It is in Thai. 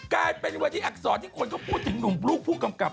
กลายเป็นวันนี้อักษรที่คนก็พูดถึงหนุ่มลูกผู้กำกับ